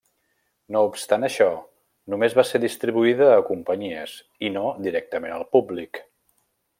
No obstant això, només va ser distribuïda a companyies i no directament al públic.